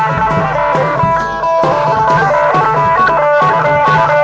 เพื่อรับความรับทราบของคุณ